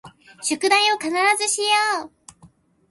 宿題を必ずしよう